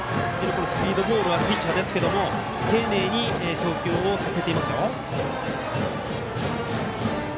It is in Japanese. スピードボールもあるピッチャーですけど丁寧に投球をさせていますよ。